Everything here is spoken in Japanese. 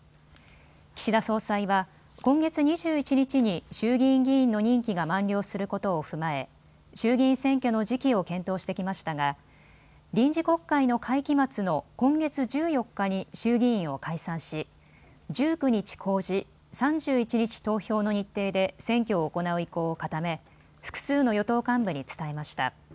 岸田総裁は今月２１日に衆議院議員の任期が満了することを踏まえ衆議院選挙の時期を検討してきましたが臨時国会の会期末の今月１４日に衆議院を解散し１９日公示、３１日投票の日程で選挙を行う意向を固め複数の与党幹部に伝えました。